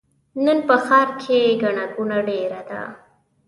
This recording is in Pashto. نن په ښار کې ګڼه ګوڼه ډېره ده.